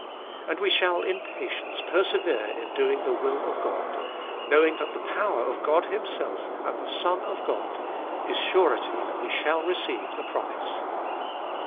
And we shall in patience persevere in doing the will of God, knowing that the power of God Himself and the Son of God is surety that we shall receive the promise.